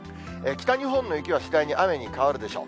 北日本の雪は次第に雨に変わるでしょう。